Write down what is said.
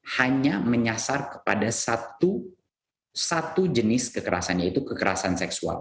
hanya menyasar kepada satu jenis kekerasan yaitu kekerasan seksual